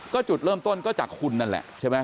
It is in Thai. ก็จุดเริ่มต้นก็จากคุณนั่นแหละใช่ไหม